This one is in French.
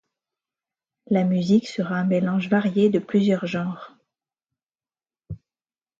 La musique sera un mélange varié de plusieurs genres.